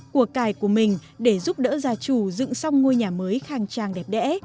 cuộc cải của mình để giúp đỡ gia trù dựng xong ngôi nhà mới khang trang đẹp đẽ